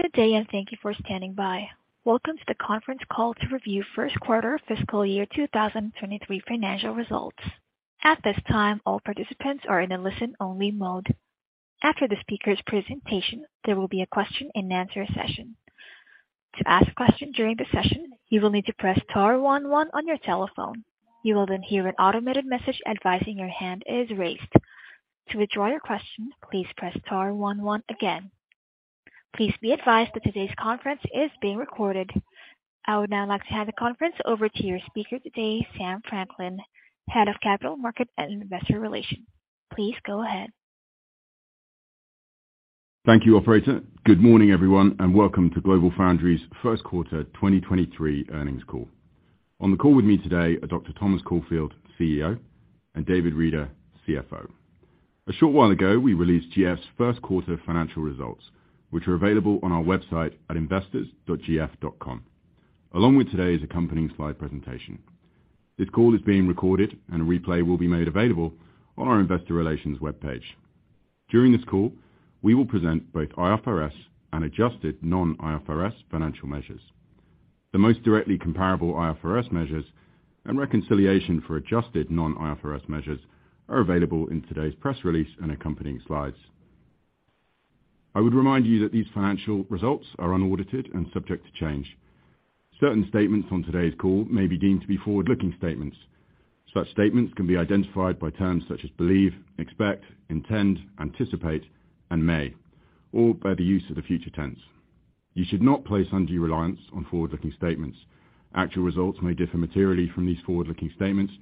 Good day, and thank you for standing by. Welcome to the conference call to review first quarter fiscal year 2023 financial results. At this time, all participants are in a listen-only mode. After the speaker's presentation, there will be a question-and-answer session. To ask a question during the session, you will need to press star one one on your telephone. You will then hear an automated message advising your hand is raised. To withdraw your question, please press star one one again. Please be advised that today's conference is being recorded. I would now like to hand the conference over to your speaker today, Sam Franklin, Head of Capital Markets and Investor Relations. Please go ahead. Thank you, operator. Good morning, everyone, and welcome to GlobalFoundries first quarter 2023 earnings call. On the call with me today are Dr. Thomas Caulfield, CEO, and David Reeder, CFO. A short while ago, we released GF's first quarter financial results, which are available on our website at investors.gf.com, along with today's accompanying slide presentation. This call is being recorded and a replay will be made available on our investor relations webpage. During this call, we will present both IFRS and adjusted non-IFRS financial measures. The most directly comparable IFRS measures and reconciliation for adjusted non-IFRS measures are available in today's press release and accompanying slides. I would remind you that these financial results are unaudited and subject to change. Certain statements on today's call may be deemed to be forward-looking statements. Such statements can be identified by terms such as believe, expect, intend, anticipate, and may, or by the use of the future tense. You should not place undue reliance on forward-looking statements. Actual results may differ materially from these forward-looking statements,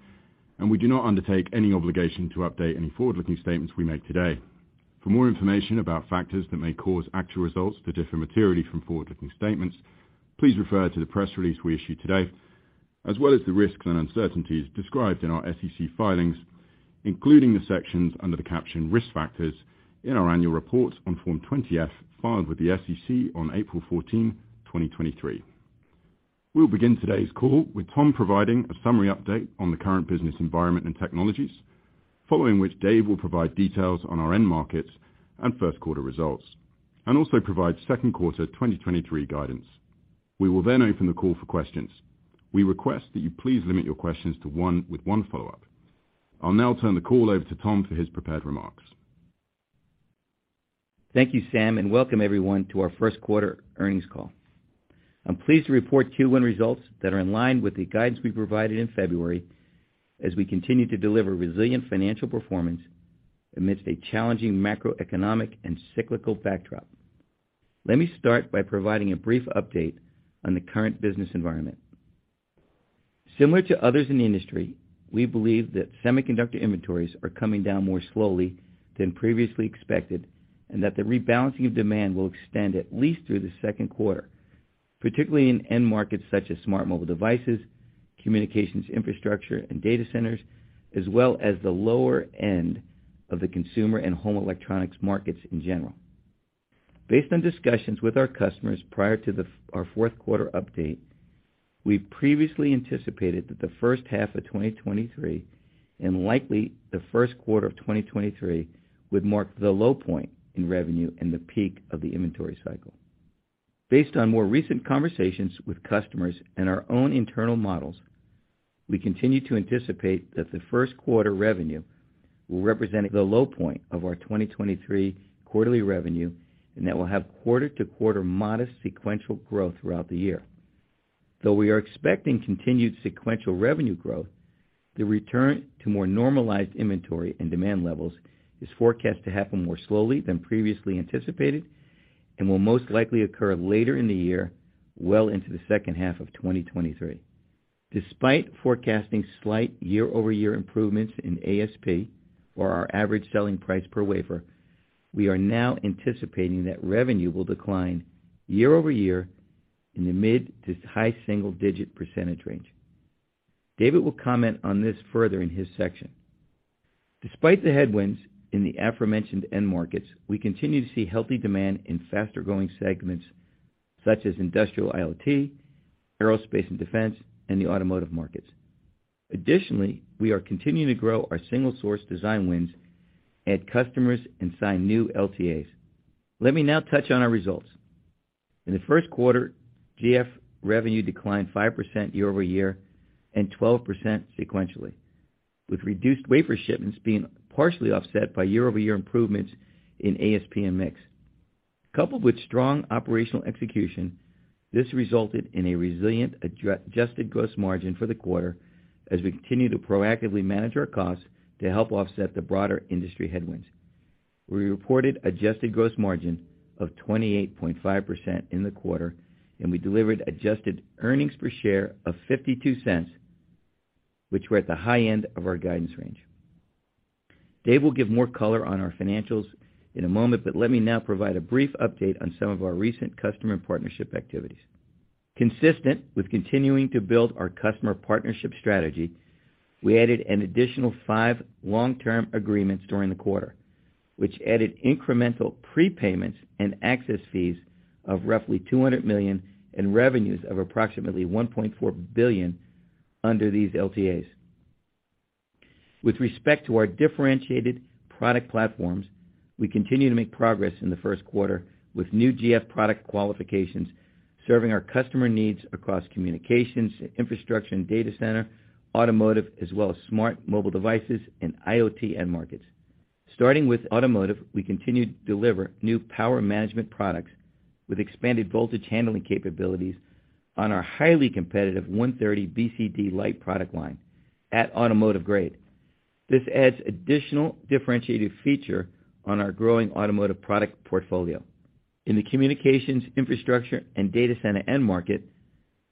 and we do not undertake any obligation to update any forward-looking statements we make today. For more information about factors that may cause actual results to differ materially from forward-looking statements, please refer to the press release we issued today, as well as the risks and uncertainties described in our SEC filings, including the sections under the caption Risk Factors in our annual report on Form 20-F filed with the SEC on April fourteenth, twenty twenty-three. We'll begin today's call with Tom providing a summary update on the current business environment and technologies, following which Dave will provide details on our end markets and first quarter results, and also provide second quarter 2023 guidance. We will open the call for questions. We request that you please limit your questions to one with one follow-up. I'll now turn the call over to Tom for his prepared remarks. Thank you, Sam, and welcome everyone to our first quarter earnings call. I'm pleased to report Q1 results that are in line with the guidance we provided in February as we continue to deliver resilient financial performance amidst a challenging macroeconomic and cyclical backdrop. Let me start by providing a brief update on the current business environment. Similar to others in the industry, we believe that semiconductor inventories are coming down more slowly than previously expected, and that the rebalancing of demand will extend at least through the second quarter, particularly in end markets such as smart mobile devices, communications infrastructure, and data centers, as well as the lower end of the consumer and home electronics markets in general. Based on discussions with our customers prior to our fourth quarter update, we previously anticipated that the first half of 2023, and likely the first quarter of 2023, would mark the low point in revenue and the peak of the inventory cycle. Based on more recent conversations with customers and our own internal models, we continue to anticipate that the first quarter revenue will represent the low point of our 2023 quarterly revenue and that we'll have quarter-to-quarter modest sequential growth throughout the year. We are expecting continued sequential revenue growth, the return to more normalized inventory and demand levels is forecast to happen more slowly than previously anticipated and will most likely occur later in the year, well into the second half of 2023. Despite forecasting slight year-over-year improvements in ASP, or our average selling price per wafer, we are now anticipating that revenue will decline year-over-year in the mid to high single-digit % range. David will comment on this further in his section. Despite the headwinds in the aforementioned end markets, we continue to see healthy demand in faster-growing segments such as industrial IoT, aerospace and defense, and the automotive markets. We are continuing to grow our single-source design wins, add customers, and sign new LTAs. Let me now touch on our results. In the first quarter, GF revenue declined 5% year-over-year and 12% sequentially, with reduced wafer shipments being partially offset by year-over-year improvements in ASP and mix. Coupled with strong operational execution, this resulted in a resilient adjusted gross margin for the quarter as we continue to proactively manage our costs to help offset the broader industry headwinds. We reported adjusted gross margin of 28.5% in the quarter, and we delivered Adjusted Earnings Per Share of $0.52, which were at the high end of our guidance range. Dave will give more color on our financials in a moment, but let me now provide a brief update on some of our recent customer partnership activities. Consistent with continuing to build our customer partnership strategy, we added an additional 5 long-term agreements during the quarter, which added incremental prepayments and access fees of roughly $200 million and revenues of approximately $1.4 billion under these LTAs. With respect to our differentiated product platforms, we continue to make progress in the first quarter with new GF product qualifications, serving our customer needs across communications, infrastructure, and data center, automotive, as well as smart mobile devices and IoT end markets. Starting with automotive, we continue to deliver new power management products with expanded voltage handling capabilities on our highly competitive 130 BCDLite product line at automotive grade. This adds additional differentiated feature on our growing automotive product portfolio. In the communications infrastructure and data center end market,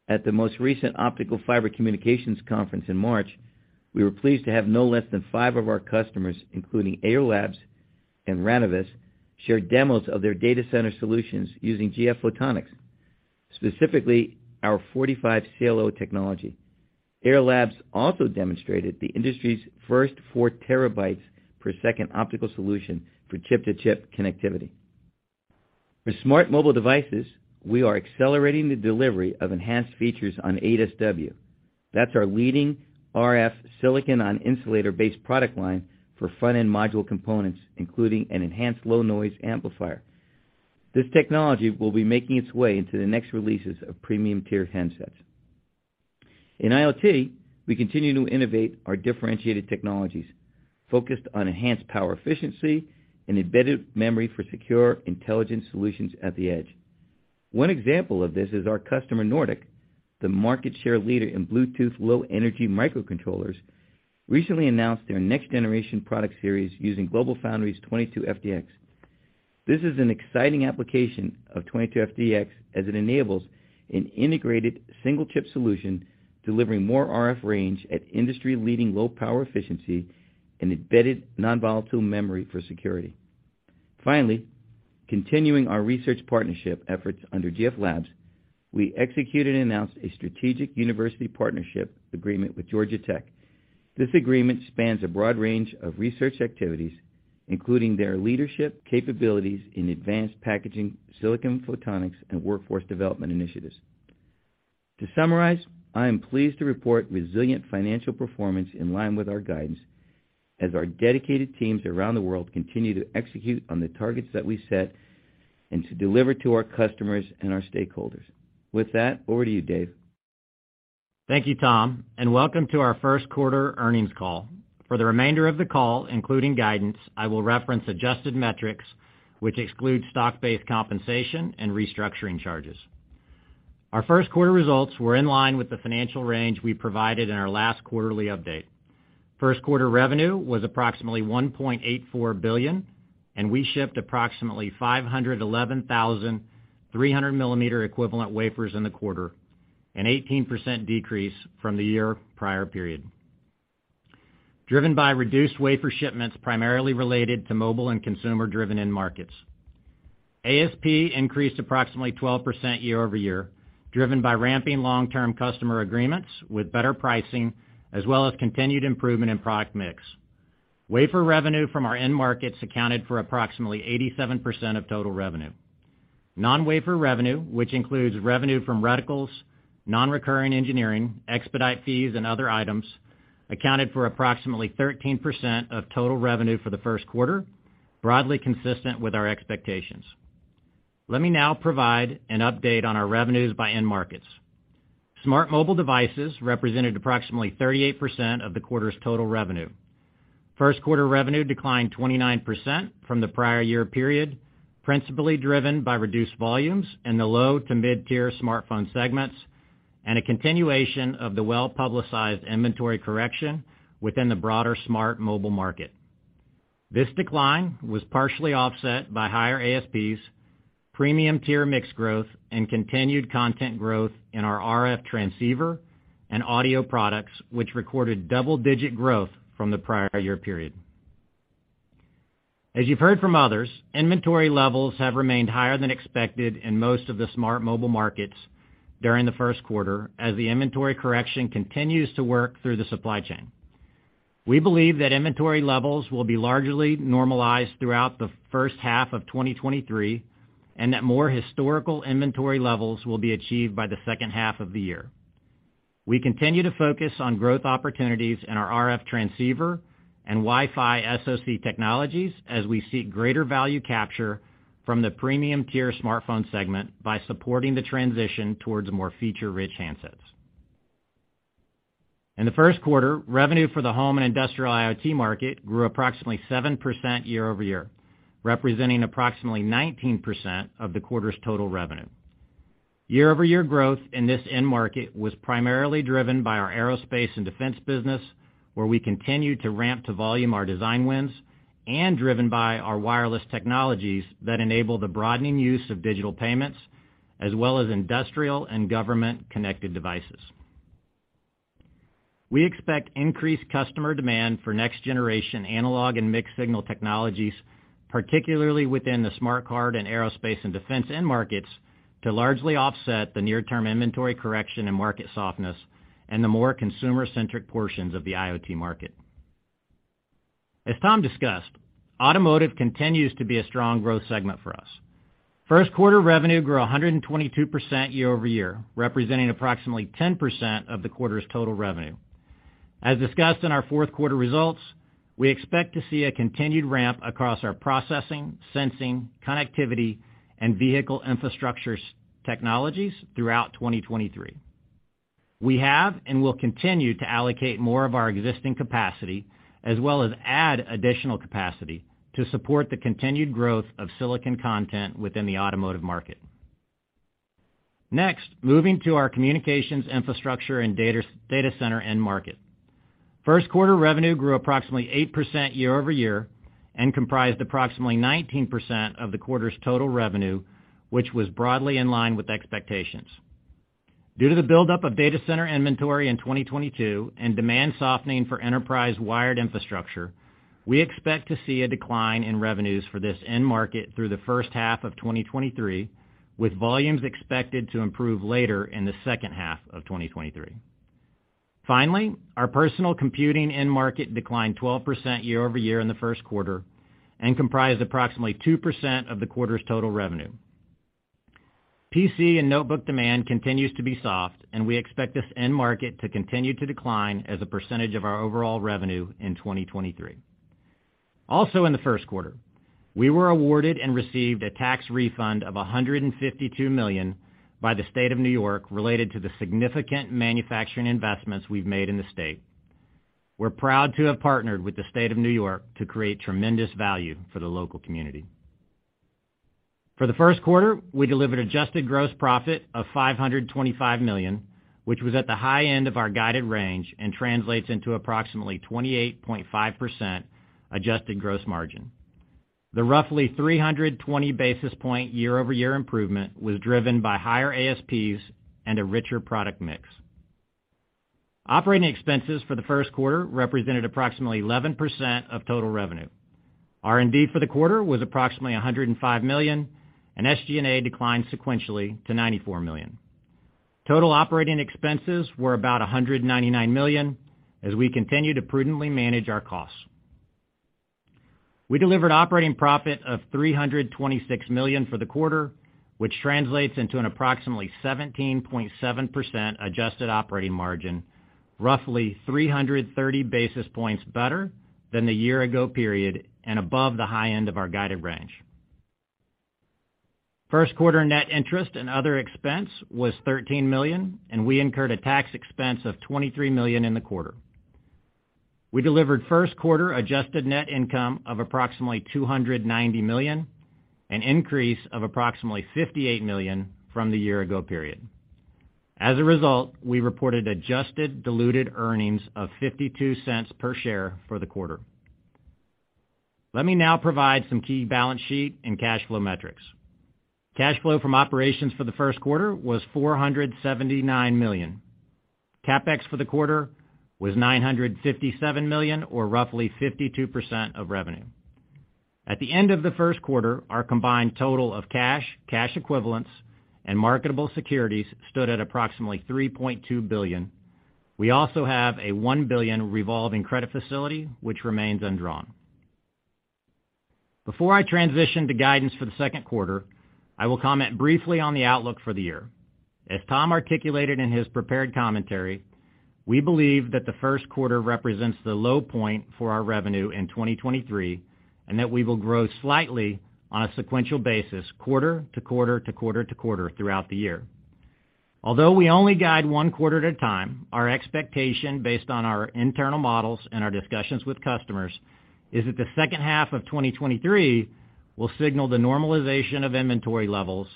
at the most recent Optical Fiber Communication Conference in March, we were pleased to have no less than 5 of our customers, including Ayar Labs and Ranovus, share demos of their data center solutions using GF Photonics, specifically our 45CLO technology. Ayar Labs also demonstrated the industry's first 4 terabytes per second optical solution for chip-to-chip connectivity. For smart mobile devices, we are accelerating the delivery of enhanced features on ADSW. That's our leading RF silicon on insulator-based product line for front-end module components, including an enhanced low noise amplifier. This technology will be making its way into the next releases of premium-tier handsets. In IoT, we continue to innovate our differentiated technologies focused on enhanced power efficiency and embedded memory for secure intelligence solutions at the edge. One example of this is our customer Nordic Semiconductor, the market share leader in Bluetooth Low Energy microcontrollers, recently announced their next generation product series using GlobalFoundries 22FDX. This is an exciting application of 22FDX as it enables an integrated single chip solution delivering more RF range at industry-leading low power efficiency and embedded nonvolatile memory for security. Finally, continuing our research partnership efforts under GF Labs, we executed and announced a strategic university partnership agreement with Georgia Tech. This agreement spans a broad range of research activities, including their leadership capabilities in advanced packaging, silicon photonics, and workforce development initiatives. To summarize, I am pleased to report resilient financial performance in line with our guidance as our dedicated teams around the world continue to execute on the targets that we set and to deliver to our customers and our stakeholders. With that, over to you, Dave. Thank you, Tom, and welcome to our first quarter earnings call. For the remainder of the call, including guidance, I will reference adjusted metrics, which exclude stock-based compensation and restructuring charges. Our first quarter results were in line with the financial range we provided in our last quarterly update. First quarter revenue was approximately $1.84 billion. We shipped approximately 511,300 millimeter equivalent wafers in the quarter, an 18% decrease from the year prior period. Driven by reduced wafer shipments primarily related to mobile and consumer-driven end markets. ASP increased approximately 12% year-over-year, driven by ramping long-term customer agreements with better pricing as well as continued improvement in product mix. Wafer revenue from our end markets accounted for approximately 87% of total revenue. Non-wafer revenue, which includes revenue from reticles, nonrecurring engineering, expedite fees, and other items, accounted for approximately 13% of total revenue for the first quarter, broadly consistent with our expectations. Let me now provide an update on our revenues by end markets. Smart mobile devices represented approximately 38% of the quarter's total revenue. First quarter revenue declined 29% from the prior year period, principally driven by reduced volumes in the low to mid-tier smartphone segments and a continuation of the well-publicized inventory correction within the broader smart mobile market. This decline was partially offset by higher ASPs, premium tier mix growth, and continued content growth in our RF transceiver and audio products, which recorded double-digit growth from the prior year period. As you've heard from others, inventory levels have remained higher than expected in most of the smart mobile markets during the first quarter as the inventory correction continues to work through the supply chain. We believe that inventory levels will be largely normalized throughout the first half of 2023, and that more historical inventory levels will be achieved by the second half of the year. We continue to focus on growth opportunities in our RF transceiver and Wi-Fi SoC technologies as we seek greater value capture from the premium tier smartphone segment by supporting the transition towards more feature-rich handsets. In the first quarter, revenue for the home and industrial IoT market grew approximately 7% year-over-year, representing approximately 19% of the quarter's total revenue. Year-over-year growth in this end market was primarily driven by our aerospace and defense business, where we continued to ramp to volume our design wins and driven by our wireless technologies that enable the broadening use of digital payments as well as industrial and government connected devices. We expect increased customer demand for next generation analog and mixed signal technologies, particularly within the smart card and aerospace and defense end markets, to largely offset the near term inventory correction and market softness and the more consumer-centric portions of the IoT market. As Tom discussed, automotive continues to be a strong growth segment for us. First quarter revenue grew 122% year-over-year, representing approximately 10% of the quarter's total revenue. As discussed in our fourth quarter results, we expect to see a continued ramp across our processing, sensing, connectivity, and vehicle infrastructure technologies throughout 2023. We have and will continue to allocate more of our existing capacity, as well as add additional capacity to support the continued growth of silicon content within the automotive market. Next, moving to our communications infrastructure and data center end market. First quarter revenue grew approximately 8% year-over-year and comprised approximately 19% of the quarter's total revenue, which was broadly in line with expectations. Due to the buildup of data center inventory in 2022 and demand softening for enterprise wired infrastructure, we expect to see a decline in revenues for this end market through the first half of 2023, with volumes expected to improve later in the second half of 2023. Finally, our personal computing end market declined 12% year-over-year in the first quarter and comprised approximately 2% of the quarter's total revenue. PC and notebook demand continues to be soft. We expect this end market to continue to decline as a percentage of our overall revenue in 2023. In the first quarter, we were awarded and received a tax refund of $152 million by the State of New York related to the significant manufacturing investments we've made in the state. We're proud to have partnered with the State of New York to create tremendous value for the local community. For the first quarter, we delivered adjusted gross profit of $525 million, which was at the high end of our guided range and translates into approximately 28.5% adjusted gross margin. The roughly 320 basis point year-over-year improvement was driven by higher ASPs and a richer product mix. Operating expenses for the first quarter represented approximately 11% of total revenue. R&D for the quarter was approximately $105 million, and SG&A declined sequentially to $94 million. Total operating expenses were about $199 million as we continue to prudently manage our costs. We delivered operating profit of $326 million for the quarter, which translates into an approximately 17.7% adjusted operating margin, roughly 330 basis points better than the year ago period and above the high end of our guided range. First quarter net interest and other expense was $13 million, and we incurred a tax expense of $23 million in the quarter. We delivered first quarter adjusted net income of approximately $290 million, an increase of approximately $58 million from the year ago period. we reported adjusted diluted earnings of $0.52 per share for the quarter. Let me now provide some key balance sheet and cash flow metrics. Cash flow from operations for the first quarter was $479 million. CapEx for the quarter was $957 million or roughly 52% of revenue. At the end of the first quarter, our combined total of cash equivalents, and marketable securities stood at approximately $3.2 billion. We also have a $1 billion revolving credit facility which remains undrawn. Before I transition to guidance for the second quarter, I will comment briefly on the outlook for the year. As Tom articulated in his prepared commentary, we believe that the first quarter represents the low point for our revenue in 2023, and that we will grow slightly on a sequential basis quarter to quarter throughout the year. Although we only guide one quarter at a time, our expectation based on our internal models and our discussions with customers is that the second half of 2023 will signal the normalization of inventory levels,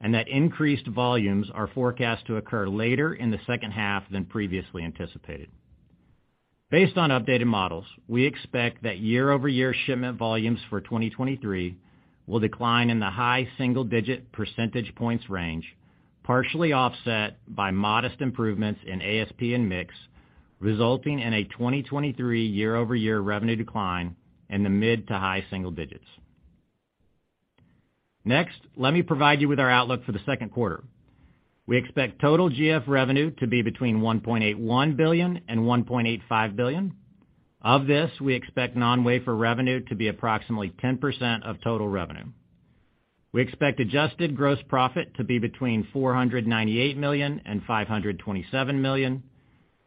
and that increased volumes are forecast to occur later in the second half than previously anticipated. Based on updated models, we expect that year-over-year shipment volumes for 2023 will decline in the high single-digit percentage points range, partially offset by modest improvements in ASP and mix, resulting in a 2023 year-over-year revenue decline in the mid-to-high single digits. Next, let me provide you with our outlook for the second quarter. We expect total GF revenue to be between $1.81 billion and $1.85 billion. Of this, we expect non-wafer revenue to be approximately 10% of total revenue. We expect adjusted gross profit to be between $498 million and $527 million.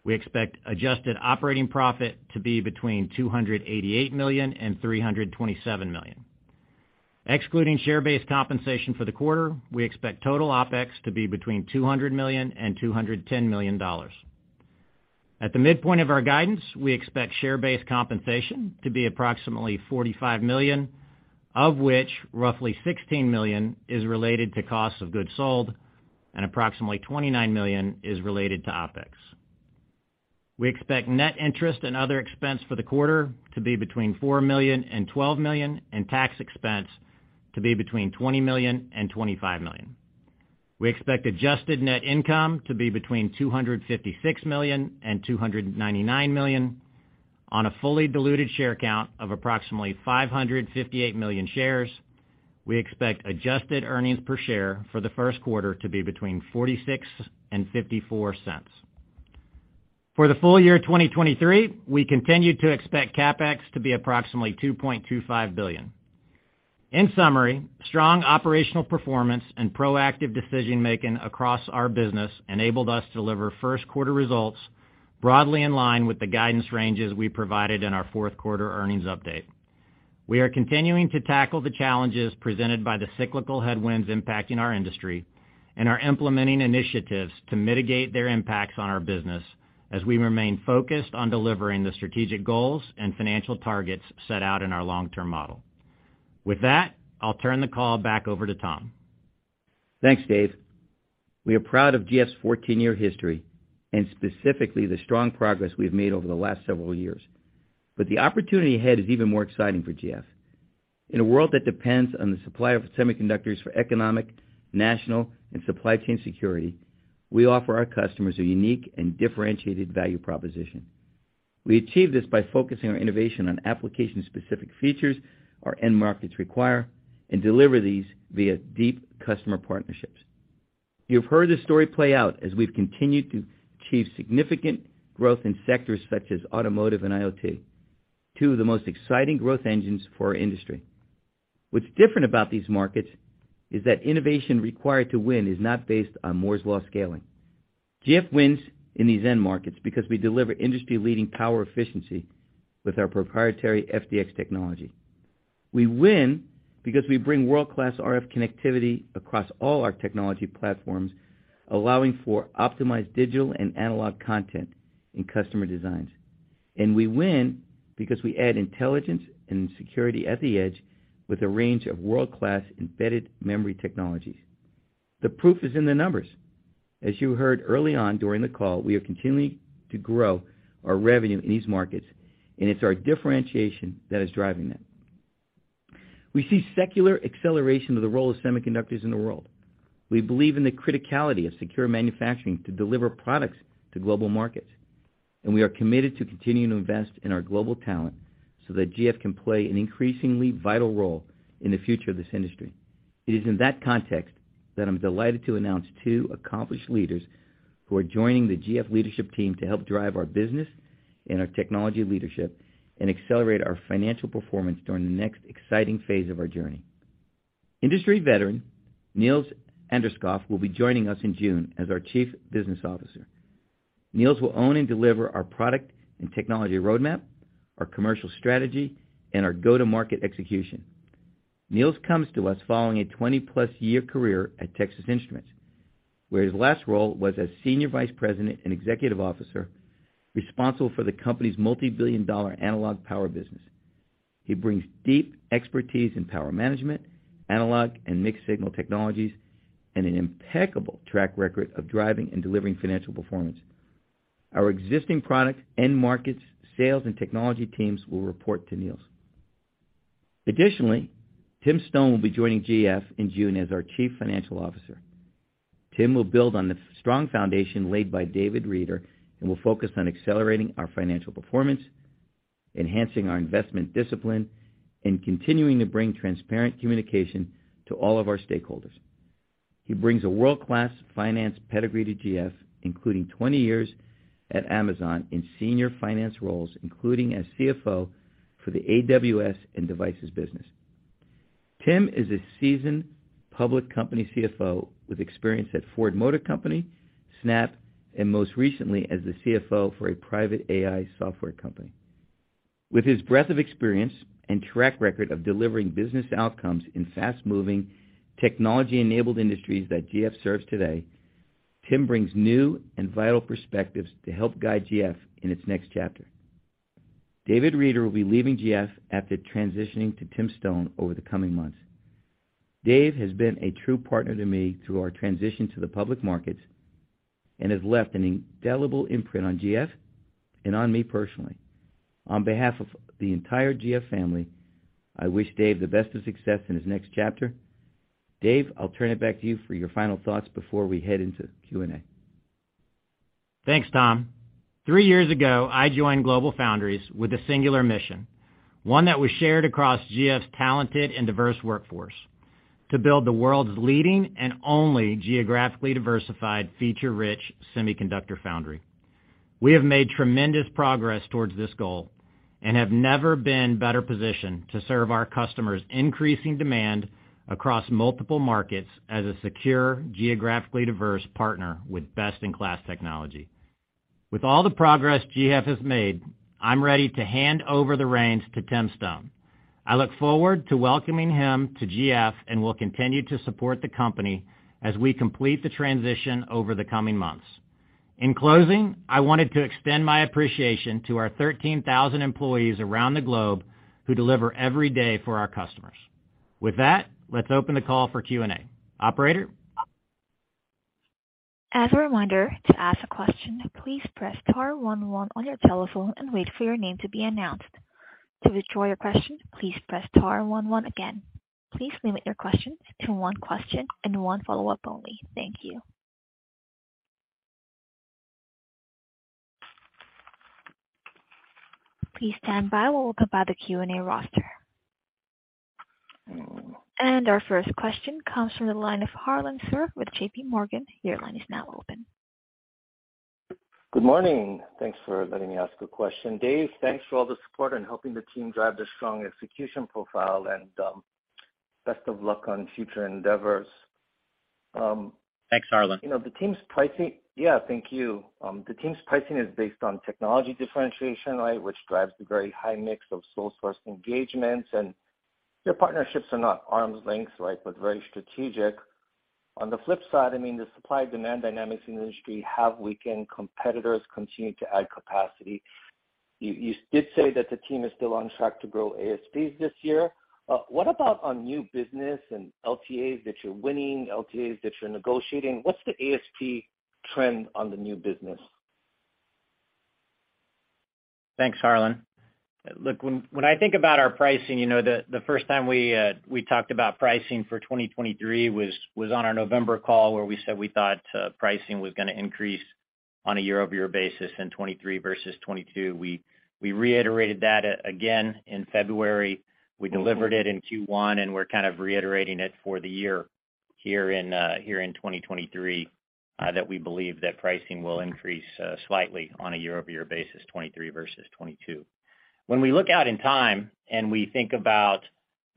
We expect adjusted operating profit to be between $288 million and $327 million. Excluding share-based compensation for the quarter, we expect total OpEx to be between $200 million and $210 million. At the midpoint of our guidance, we expect share-based compensation to be approximately $45 million, of which roughly $16 million is related to cost of goods sold and approximately $29 million is related to OpEx. We expect net interest and other expense for the quarter to be between $4 million and $12 million and tax expense to be between $20 million and $25 million. We expect adjusted net income to be between $256 million and $299 million on a fully diluted share count of approximately 558 million shares. We expect adjusted earnings per share for the first quarter to be between $0.46 and $0.54. For the full year 2023, we continue to expect CapEx to be approximately $2.25 billion. In summary, strong operational performance and proactive decision-making across our business enabled us to deliver first quarter results broadly in line with the guidance ranges we provided in our fourth quarter earnings update. We are continuing to tackle the challenges presented by the cyclical headwinds impacting our industry and are implementing initiatives to mitigate their impacts on our business as we remain focused on delivering the strategic goals and financial targets set out in our long-term model. With that, I'll turn the call back over to Tom. Thanks, Dave. We are proud of GF's 14-year history and specifically the strong progress we've made over the last several years. The opportunity ahead is even more exciting for GF. In a world that depends on the supply of semiconductors for economic, national, and supply chain security, we offer our customers a unique and differentiated value proposition. We achieve this by focusing our innovation on application-specific features our end markets require and deliver these via deep customer partnerships. You've heard this story play out as we've continued to achieve significant growth in sectors such as automotive and IoT, two of the most exciting growth engines for our industry. What's different about these markets is that innovation required to win is not based on Moore's Law scaling. GF wins in these end markets because we deliver industry-leading power efficiency with our proprietary FDX technology. We win because we bring world-class RF connectivity across all our technology platforms, allowing for optimized digital and analog content in customer designs. We win because we add intelligence and security at the edge with a range of world-class embedded memory technologies. The proof is in the numbers. As you heard early on during the call, we are continuing to grow our revenue in these markets, and it's our differentiation that is driving that. We see secular acceleration of the role of semiconductors in the world. We believe in the criticality of secure manufacturing to deliver products to global markets, and we are committed to continuing to invest in our global talent so that GF can play an increasingly vital role in the future of this industry. It is in that context that I'm delighted to announce two accomplished leaders who are joining the GF leadership team to help drive our business and our technology leadership and accelerate our financial performance during the next exciting phase of our journey. Industry veteran Niels Anderskouv will be joining us in June as our Chief Business Officer. Niels will own and deliver our product and technology roadmap, our commercial strategy, and our go-to-market execution. Niels comes to us following a 20+ year career at Texas Instruments, where his last role was as Senior Vice President and Executive Officer responsible for the company's multibillion-dollar analog power business. He brings deep expertise in power management, analog and mixed signal technologies, and an impeccable track record of driving and delivering financial performance. Our existing product, end markets, sales, and technology teams will report to Niels. Additionally, Tim Stone will be joining GF in June as our chief financial officer. Tim will build on the strong foundation laid by David Reeder and will focus on accelerating our financial performance, enhancing our investment discipline, and continuing to bring transparent communication to all of our stakeholders. He brings a world-class finance pedigree to GF, including 20 years at Amazon in senior finance roles, including as CFO for the AWS and Devices business. Tim is a seasoned public company CFO with experience at Ford Motor Company, Snap, and most recently as the CFO for a private AI software company. With his breadth of experience and track record of delivering business outcomes in fast-moving technology-enabled industries that GF serves today, Tim brings new and vital perspectives to help guide GF in its next chapter. David Reeder will be leaving GF after transitioning to Tim Stone over the coming months. Dave has been a true partner to me through our transition to the public markets and has left an indelible imprint on GF and on me personally. On behalf of the entire GF family, I wish Dave the best of success in his next chapter. Dave, I'll turn it back to you for your final thoughts before we head into Q&A. Thanks, Tom. Three years ago, I joined GlobalFoundries with a singular mission, one that was shared across GF's talented and diverse workforce: to build the world's leading and only geographically diversified, feature-rich semiconductor foundry. We have made tremendous progress towards this goal and have never been better positioned to serve our customers' increasing demand across multiple markets as a secure, geographically diverse partner with best-in-class technology. With all the progress GF has made, I'm ready to hand over the reins to Tim Stone. I look forward to welcoming him to GF and will continue to support the company as we complete the transition over the coming months. In closing, I wanted to extend my appreciation to our 13,000 employees around the globe who deliver every day for our customers. With that, let's open the call for Q&A. Operator? As a reminder, to ask a question, please press star one one on your telephone and wait for your name to be announced. To withdraw your question, please press star one one again. Please limit your question to one question and one follow-up only. Thank you. Please stand by while we go by the Q&A roster. Our first question comes from the line of Harlan Sur with JPMorgan. Your line is now open. Good morning. Thanks for letting me ask a question. Dave, thanks for all the support and helping the team drive the strong execution profile, and best of luck on future endeavors. Thanks, Harlan. You know the team's pricing. Yeah, thank you. The team's pricing is based on technology differentiation, right? Which drives the very high mix of sole source engagements. Your partnerships are not arm's length, right, but very strategic. On the flip side, I mean, the supply demand dynamics in the industry have weakened. Competitors continue to add capacity. You did say that the team is still on track to grow ASPs this year. What about on new business and LTAs that you're winning, LTAs that you're negotiating? What's the ASP trend on the new business? Thanks, Harlan. Look, when I think about our pricing, you know, the first time we talked about pricing for 2023 was on our November call, where we said we thought pricing was gonna increase on a year-over-year basis in 2023 versus 2022. We reiterated that again in February. We delivered it in Q1, and we're kind of reiterating it for the year here in 2023, that we believe that pricing will increase slightly on a year-over-year basis, 2023 versus 2022. When we look out in time, and we think about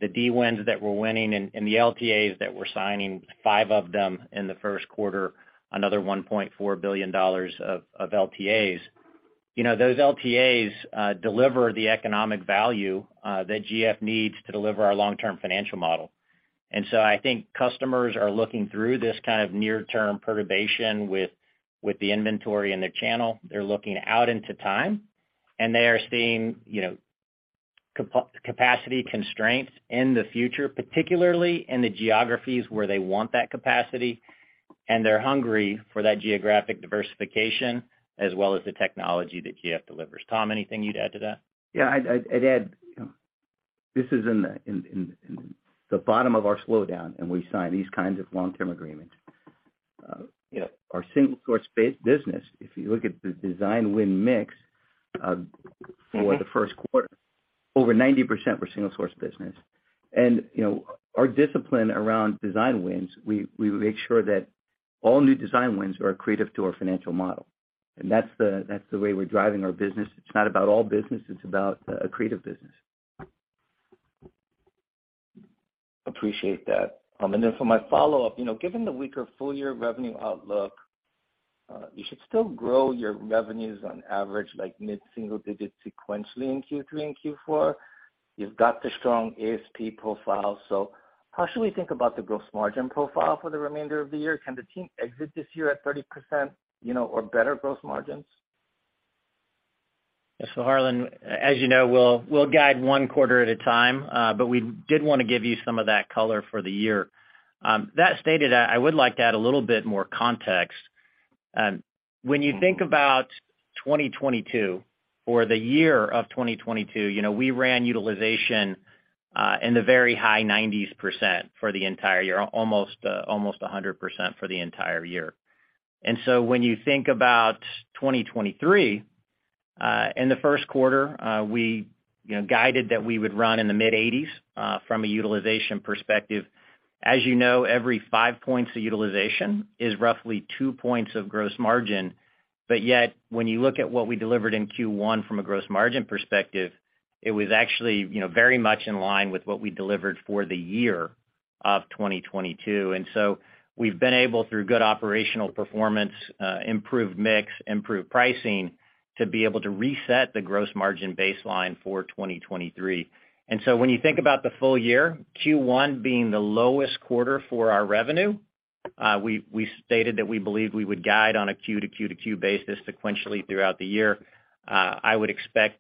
the D wins that we're winning and the LTAs that we're signing, five of them in the first quarter, another $1.4 billion of LTAs. You know, those LTAs deliver the economic value that GF needs to deliver our long-term financial model. I think customers are looking through this kind of near-term perturbation with the inventory in their channel. They're looking out into time, and they are seeing, you know, capacity constraints in the future, particularly in the geographies where they want that capacity. They're hungry for that geographic diversification as well as the technology that GF delivers. Tom, anything you'd add to that? Yeah, I'd add, you know, this is in the bottom of our slowdown, and we sign these kinds of long-term agreements. You know, our single source business, if you look at the design win mix, for the first quarter, over 90% were single source business. You know, our discipline around design wins, we make sure that all new design wins are accretive to our financial model. That's the way we're driving our business. It's not about all business. It's about accretive business. Appreciate that. For my follow-up. You know, given the weaker full-year revenue outlook, you should still grow your revenues on average, like mid-single digit sequentially in Q3 and Q4. You've got the strong ASP profile. How should we think about the gross margin profile for the remainder of the year? Can the team exit this year at 30%, you know, or better gross margins? Harlan, as you know, we'll guide one quarter at a time, but we did wanna give you some of that color for the year. That stated, I would like to add a little bit more context. When you think about 2022 or the year of 2022, you know, we ran utilization in the very high 90% for the entire year, almost 100% for the entire year. When you think about 2023, in the first quarter, we, you know, guided that we would run in the mid-80s, from a utilization perspective. As you know, every five points of utilization is roughly two points of gross margin. Yet, when you look at what we delivered in Q1 from a gross margin perspective, it was actually, you know, very much in line with what we delivered for the year of 2022. So we've been able, through good operational performance, improved mix, improved pricing, to be able to reset the gross margin baseline for 2023. So when you think about the full year, Q1 being the lowest quarter for our revenue, we stated that we believe we would guide on a Q-to-Q-to-Q basis sequentially throughout the year. I would expect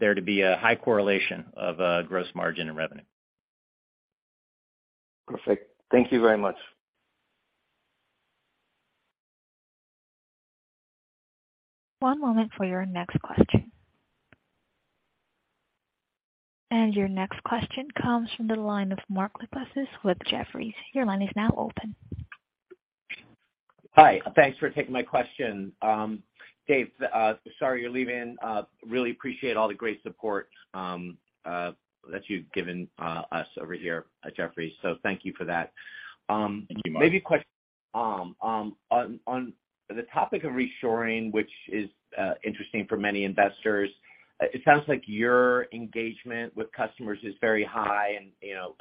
there to be a high correlation of, gross margin and revenue. Perfect. Thank you very much. One moment for your next question. Your next question comes from the line of Mark Lipacis with Jefferies. Your line is now open. Hi. Thanks for taking my question. Dave, sorry you're leaving. really appreciate all the great support, that you've given, us over here at Jefferies. Thank you for that. Thank you, Mark. Maybe a question on the topic of reshoring, which is interesting for many investors. It sounds like your engagement with customers is very high and, you know,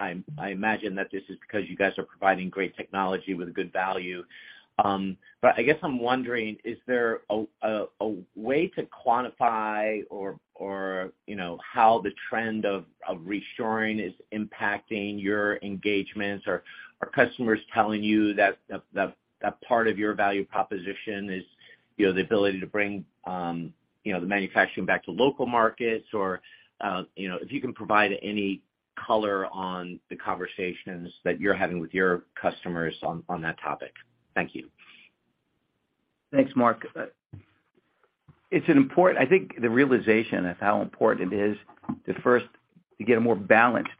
I imagine that this is because you guys are providing great technology with good value. I guess I'm wondering, is there a way to quantify or, you know, how the trend of reshoring is impacting your engagements? Are customers telling you that part of your value proposition is, you know, the ability to bring, you know, the manufacturing back to local markets? You know, if you can provide any color on the conversations that you're having with your customers on that topic. Thank you. Thanks, Mark. I think the realization of how important it is to first get a more balanced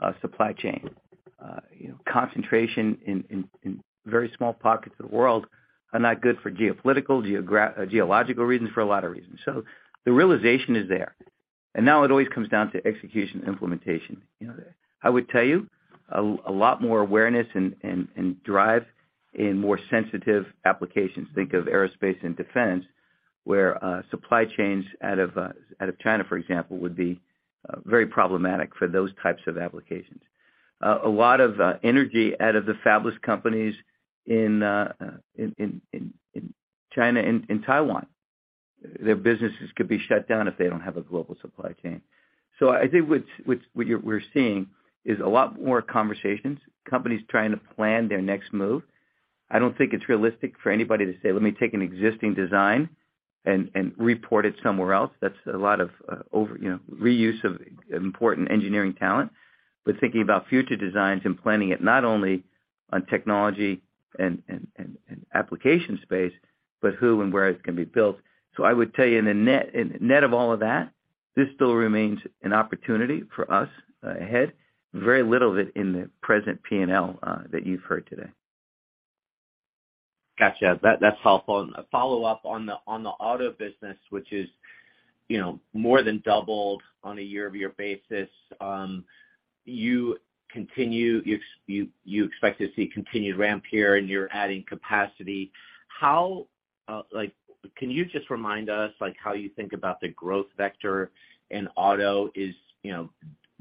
A supply chain. You know, concentration in very small pockets of the world are not good for geopolitical, geological reasons, for a lot of reasons. The realization is there, and now it always comes down to execution implementation. You know, I would tell you a lot more awareness and drive in more sensitive applications. Think of aerospace and defense, where supply chains out of China, for example, would be very problematic for those types of applications. A lot of energy out of the fabulous companies in China and Taiwan. Their businesses could be shut down if they don't have a global supply chain. I think what we're seeing is a lot more conversations, companies trying to plan their next move. I don't think it's realistic for anybody to say, "Let me take an existing design and report it somewhere else." That's a lot of, over, you know, reuse of important engineering talent, but thinking about future designs and planning it not only on technology and application space, but who and where it can be built. I would tell you in the net of all of that, this still remains an opportunity for us, ahead, very little of it in the present P&L, that you've heard today. Gotcha. That, that's helpful. A follow-up on the, on the auto business, which is, you know, more than doubled on a year-over-year basis. You expect to see continued ramp here and you're adding capacity. How, like, can you just remind us, like, how you think about the growth vector in auto is, you know,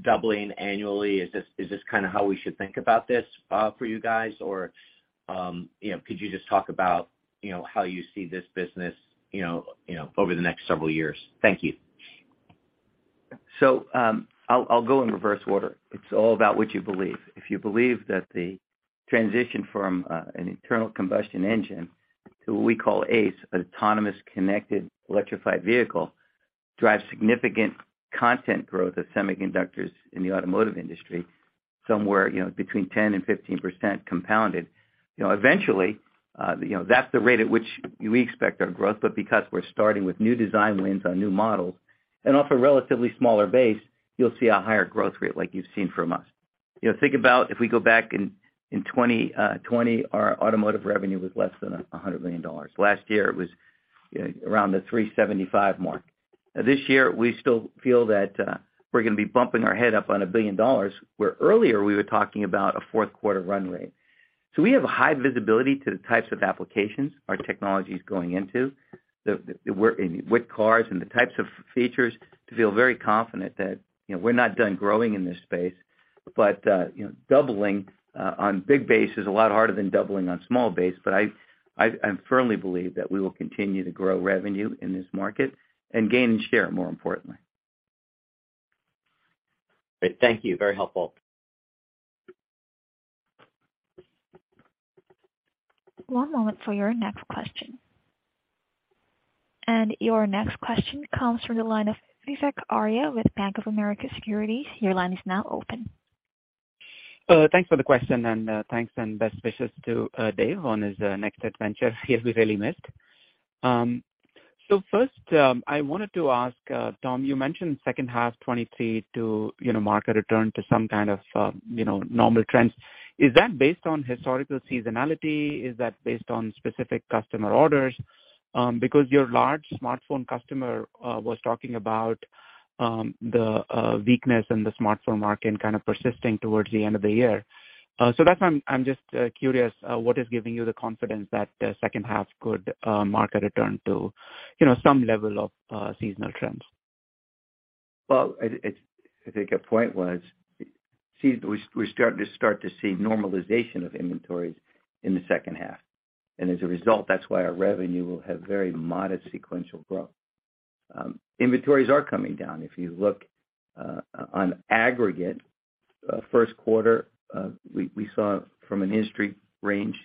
doubling annually? Is this kinda how we should think about this, for you guys? Or, you know, could you just talk about, you know, how you see this business, you know, over the next several years? Thank you. I'll go in reverse order. It's all about what you believe. If you believe that the transition from an internal combustion engine to what we call ACE, an autonomous connected electrified vehicle, drives significant content growth of semiconductors in the automotive industry somewhere, you know, between 10% and 15% compounded. You know, eventually, you know, that's the rate at which we expect our growth, but because we're starting with new design wins on new models and off a relatively smaller base, you'll see a higher growth rate like you've seen from us. You know, think about if we go back in 2020, our automotive revenue was less than $100 million. Last year it was around the $375 million mark. This year we still feel that we're gonna be bumping our head up on $1 billion, where earlier we were talking about a fourth quarter run rate. We have high visibility to the types of applications our technology's going into, what cars and the types of features to feel very confident that, you know, we're not done growing in this space. You know, doubling on big base is a lot harder than doubling on small base. I firmly believe that we will continue to grow revenue in this market and gain share, more importantly. Great. Thank you. Very helpful. One moment for your next question. Your next question comes from the line of Vivek Arya with Bank of America Securities. Your line is now open. Thanks for the question, and thanks and best wishes to Dave on his next adventure. He'll be really missed. First, I wanted to ask Tom, you mentioned second half 2023 to, you know, mark a return to some kind of, you know, normal trends. Is that based on historical seasonality? Is that based on specific customer orders? Your large smartphone customer was talking about the weakness in the smartphone market kind of persisting towards the end of the year. That's why I'm just curious, what is giving you the confidence that the second half could mark a return to, you know, some level of, seasonal trends? Well, I think a point was, we start to see normalization of inventories in the second half. As a result, that's why our revenue will have very modest sequential growth. Inventories are coming down. If you look on aggregate, first quarter, we saw from an industry range,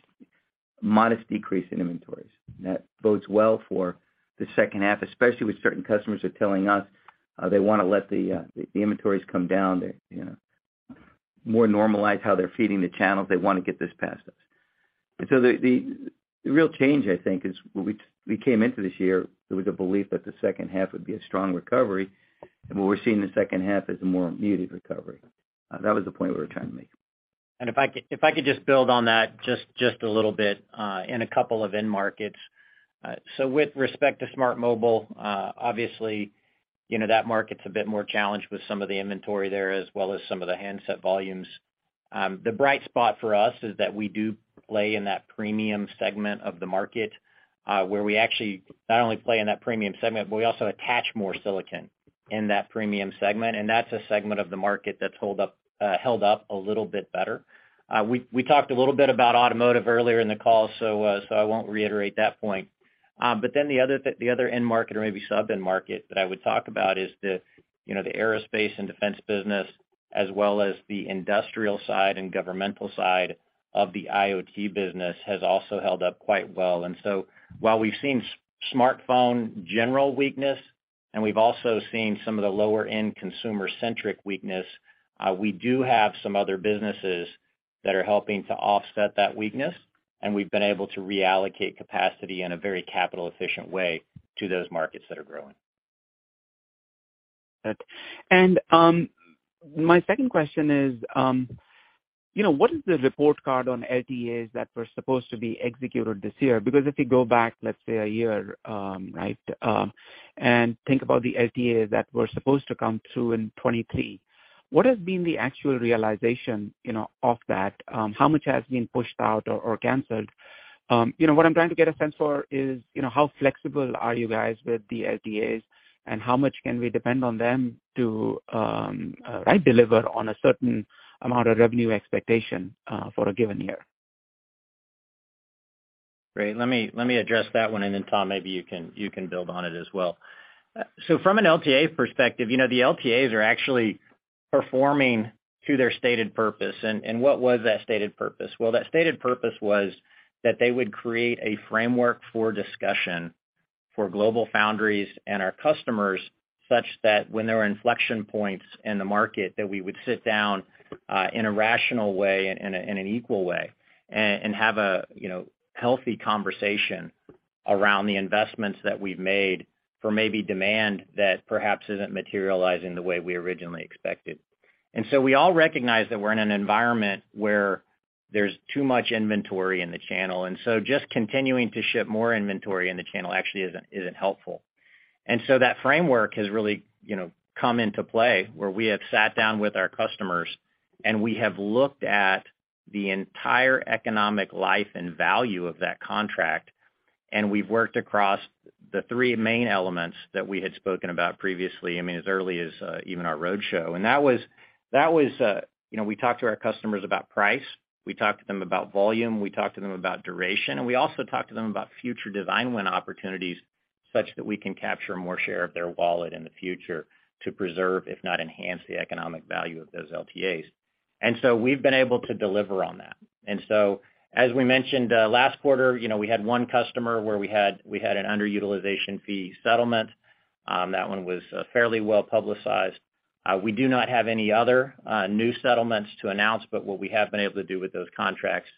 modest decrease in inventories. That bodes well for the second half, especially with certain customers are telling us, they wanna let the inventories come down. They're, you know, more normalized how they're feeding the channels. They wanna get this past us. The real change, I think, is when we came into this year, there was a belief that the second half would be a strong recovery, and what we're seeing in the second half is a more muted recovery. That was the point we were trying to make. If I could just build on that just a little bit in a couple of end markets. With respect to smart mobile, obviously, you know, that market's a bit more challenged with some of the inventory there as well as some of the handset volumes. The bright spot for us is that we do play in that premium segment of the market, where we actually not only play in that premium segment, but we also attach more silicon in that premium segment, and that's a segment of the market that's held up a little bit better. We talked a little bit about automotive earlier in the call, I won't reiterate that point. The other end market or maybe sub-end market that I would talk about is the, you know, the Aerospace and Defense business as well as the industrial side and governmental side of the IoT business has also held up quite well. While we've seen smartphone general weakness, and we've also seen some of the lower end consumer-centric weakness, we do have some other businesses that are helping to offset that weakness, and we've been able to reallocate capacity in a very capital efficient way to those markets that are growing. My second question is, you know, what is the report card on LTAs that were supposed to be executed this year? If you go back, let's say a year, right, and think about the LTAs that were supposed to come through in 2023, what has been the actual realization, you know, of that? How much has been pushed out or canceled? You know, what I'm trying to get a sense for is, you know, how flexible are you guys with the LTAs, and how much can we depend on them to, right, deliver on a certain amount of revenue expectation for a given year? Great. Let me address that one, and then Tom, maybe you can build on it as well. From an LTA perspective, you know, the LTAs are actually performing to their stated purpose. What was that stated purpose? Well, that stated purpose was that they would create a framework for discussion for GlobalFoundries and our customers, such that when there were inflection points in the market, that we would sit down in a rational way and in an equal way and have a, you know, healthy conversation around the investments that we've made for maybe demand that perhaps isn't materializing the way we originally expected. We all recognize that we're in an environment where there's too much inventory in the channel, and so just continuing to ship more inventory in the channel actually isn't helpful. That framework has really, you know, come into play, where we have sat down with our customers, and we have looked at the entire economic life and value of that contract, and we've worked across the three main elements that we had spoken about previously, I mean, as early as, even our roadshow. That was, you know, we talked to our customers about price, we talked to them about volume, we talked to them about duration, and we also talked to them about future design win opportunities such that we can capture more share of their wallet in the future to preserve, if not enhance, the economic value of those LTAs. We've been able to deliver on that. As we mentioned, last quarter, you know, we had one customer where we had an underutilization fee settlement. That one was fairly well-publicized. We do not have any other new settlements to announce. What we have been able to do with those contracts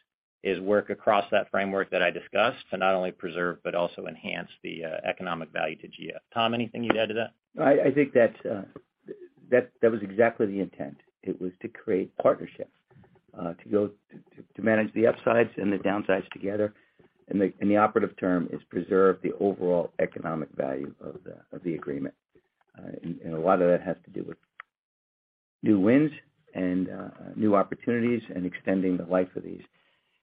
is work across that framework that I discussed to not only preserve, but also enhance the economic value to GF. Tom, anything you'd add to that? I think that was exactly the intent. It was to create partnerships, to go to manage the upsides and the downsides together, and the operative term is preserve the overall economic value of the agreement. A lot of that has to do with new wins and new opportunities and extending the life of these.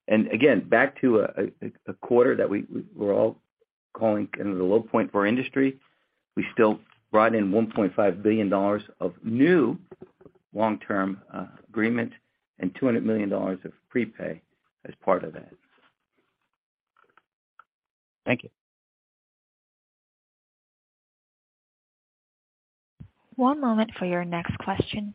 Again, back to a quarter that we're all calling kind of the low point for our industry, we still brought in $1.5 billion of new long-term agreement and $200 million of prepay as part of that. Thank you. One moment for your next question.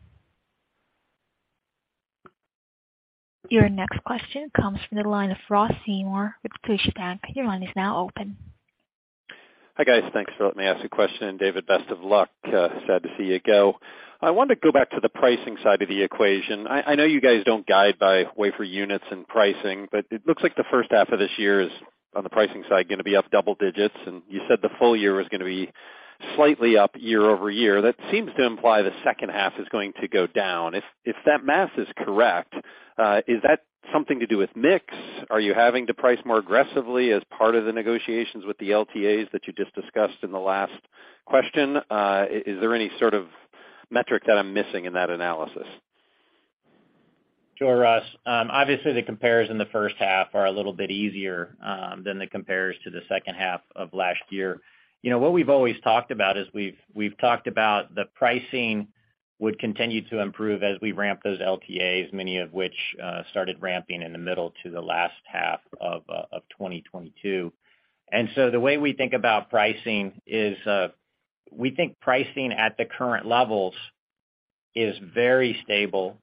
Your next question comes from the line of Ross Seymore with Deutsche Bank. Your line is now open. Hi, guys. Thanks for letting me ask a question. David, best of luck. Sad to see you go. I wanted to go back to the pricing side of the equation. I know you guys don't guide by wafer units and pricing, but it looks like the first half of this year is, on the pricing side, gonna be up double digits, and you said the full year was gonna be slightly up year-over-year. That seems to imply the second half is going to go down. If that math is correct, is that something to do with mix? Are you having to price more aggressively as part of the negotiations with the LTAs that you just discussed in the last question? Is there any sort of metric that I'm missing in that analysis? Sure, Ross. Obviously, the compares in the first half are a little bit easier than the compares to the second half of last year. You know, what we've always talked about is we've talked about the pricing would continue to improve as we ramp those LTAs, many of which started ramping in the middle to the last half of 2022. The way we think about pricing is, we think pricing at the current levels is very stable,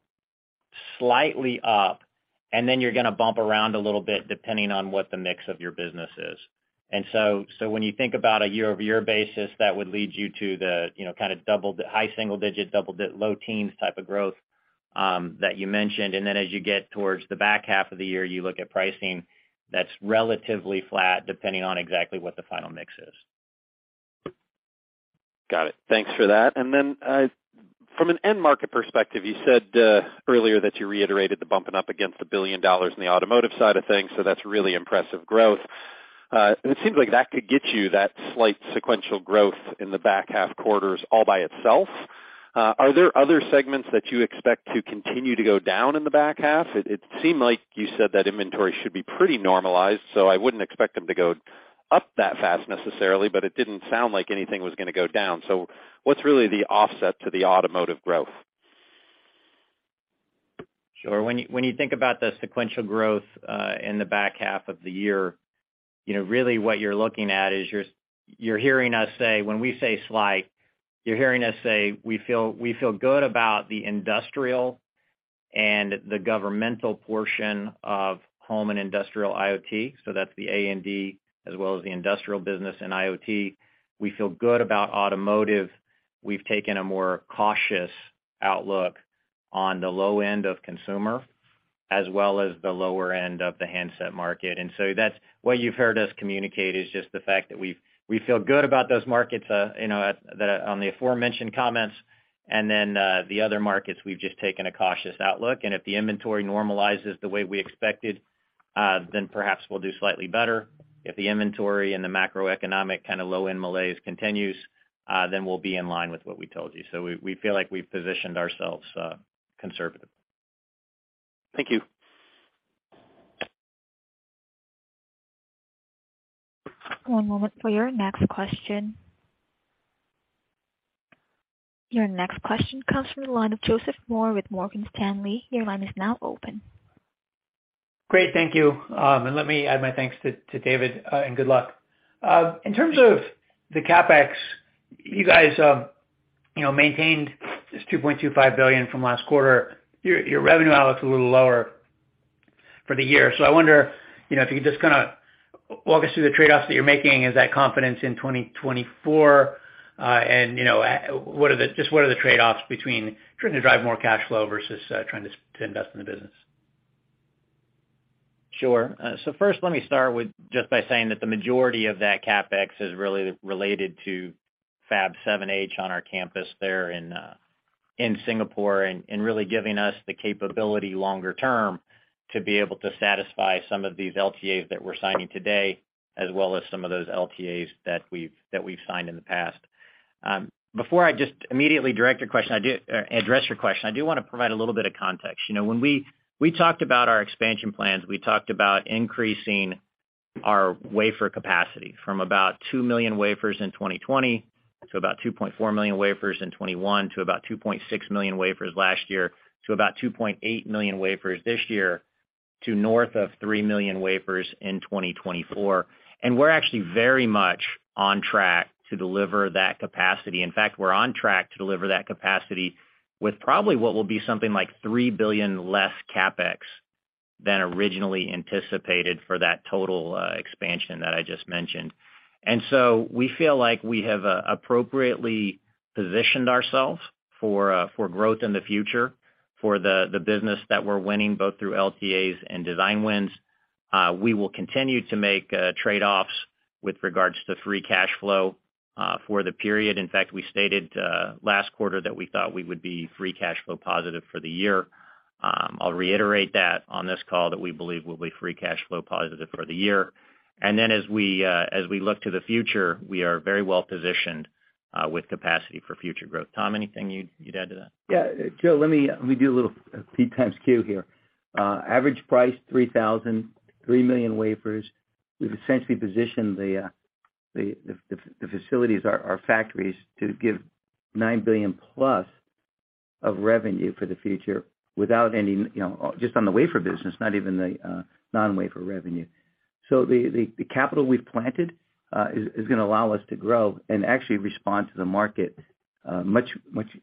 slightly up, and then you're gonna bump around a little bit depending on what the mix of your business is. When you think about a year-over-year basis, that would lead you to the, you know, kind of double the high single-digit, low teens type of growth that you mentioned. As you get towards the back half of the year, you look at pricing that's relatively flat, depending on exactly what the final mix is. Got it. Thanks for that. Then, from an end market perspective, you said earlier that you reiterated the bumping up against $1 billion in the automotive side of things, that's really impressive growth. It seems like that could get you that slight sequential growth in the back half quarters all by itself. Are there other segments that you expect to continue to go down in the back half? It seemed like you said that inventory should be pretty normalized, so I wouldn't expect them to go up that fast necessarily, but it didn't sound like anything was gonna go down. What's really the offset to the automotive growth? Sure. When you think about the sequential growth in the back half of the year, you know, really what you're looking at is you're hearing us say when we say slight, you're hearing us say, we feel good about the industrial and the governmental portion of home and industrial IoT. That's the A&D as well as the industrial business in IoT. We feel good about automotive. We've taken a more cautious outlook on the low end of consumer, as well as the lower end of the handset market. That's what you've heard us communicate, is just the fact that we feel good about those markets, you know, on the aforementioned comments. The other markets, we've just taken a cautious outlook. If the inventory normalizes the way we expected, then perhaps we'll do slightly better. If the inventory and the macroeconomic kind of low-end malaise continues, then we'll be in line with what we told you. We feel like we've positioned ourselves, conservative. Thank you. One moment for your next question. Your next question comes from the line of Joseph Moore with Morgan Stanley. Your line is now open. Great, thank you. Let me add my thanks to David and good luck. In terms of the CapEx, you guys, you know, maintained this $2.25 billion from last quarter. Your revenue outlook is a little lower for the year. I wonder, you know, if you could just kinda walk us through the trade-offs that you're making, is that confidence in 2024? What are the trade-offs between trying to drive more cash flow versus trying to invest in the business? Sure. First, let me start with just by saying that the majority of that CapEx is really related to Fab7H on our campus there in Singapore, and really giving us the capability longer term to be able to satisfy some of these LTAs that we're signing today, as well as some of those LTAs that we've signed in the past. Before I just immediately direct your question, I do address your question, I do wanna provide a little bit of context. You know, when we talked about our expansion plans, we talked about increasing our wafer capacity from about 2 million wafers in 2020 to about 2.4 million wafers in 2021, to about 2.6 million wafers last year, to about 2.8 million wafers this year, to north of 3 million wafers in 2024. We're actually very much on track to deliver that capacity. In fact, we're on track to deliver that capacity with probably what will be something like $3 billion less CapEx than originally anticipated for that total expansion that I just mentioned. We feel like we have appropriately positioned ourselves for growth in the future for the business that we're winning, both through LTAs and design wins. We will continue to make trade-offs with regards to free cash flow for the period. In fact, we stated last quarter that we thought we would be free cash flow positive for the year. I'll reiterate that on this call that we believe we'll be free cash flow positive for the year. As we look to the future, we are very well positioned with capacity for future growth. Tom, anything you'd add to that? Yeah. Joseph Moore, let me do a little P x Q here. average price 3,000, 3 million wafers. We've essentially positioned the facilities, our factories to give $9 billion-plus of revenue for the future without any, you know, just on the wafer business, not even the non-wafer revenue. The capital we've planted is gonna allow us to grow and actually respond to the market much